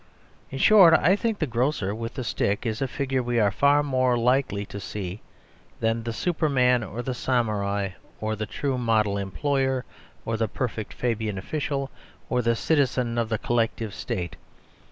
In short, I think the grocer with the stick is a figure we are far more likely to see than the Superman or the Samurai, or the True Model Employer, or the Perfect Fabian Official, or the citizen of the Collectivist State.